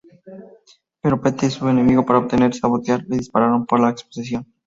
Pero Pete es su enemigo para obtener sabotear le dispararon por la exposición.